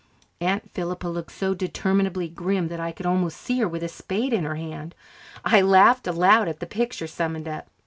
Aunt Philippa looked so determinedly grim that I could almost see her with a spade in her hand. I laughed aloud at the picture summoned up.